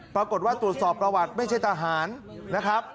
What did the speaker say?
ปรากฏว่าตรวจสอบประวัติไม่ใช่ทหารนะครับ